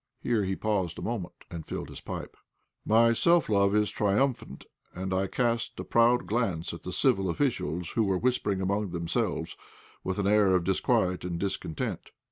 Here he paused a moment and filled his pipe. My self love was triumphant, and I cast a proud glance at the civil officials who were whispering among themselves, with an air of disquiet and discontent.